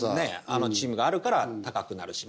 あのチームがあるから高くなるし。